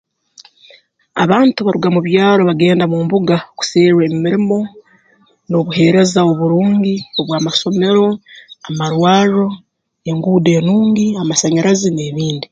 Abantu baruga mu byaro bagenda mu mbuga kuserra emirimo n'obuheereza oburungi obw'amasomero amarwarro enguudo enungi amasanyarazi n'ebindi